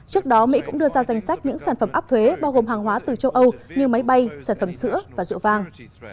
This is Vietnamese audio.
trước đó mỹ cũng đưa ra danh sách những sản phẩm áp thuế bao gồm hàng hóa từ châu âu như máy bay sản phẩm sữa và rượu vàng